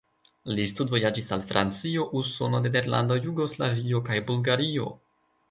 Li studvojaĝis al Francio, Usono, Nederlando, Jugoslavio kaj Bulgario.